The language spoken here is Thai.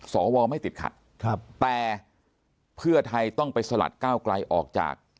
สวไม่ติดขัดแต่เพื่อไทยต้องไปสลัดก้าวไกลออกจาก